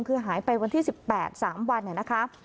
คือหายไปวันที่๑๘สามวัน